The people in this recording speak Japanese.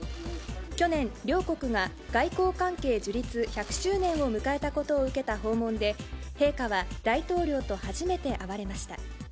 去年両国が、外交関係樹立１００周年を迎えたことを受けた訪問で、陛下は大統領と初めて会われました。